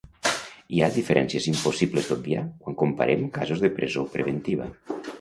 Hi ha diferències impossibles d'obviar quan comparem casos de presó preventiva.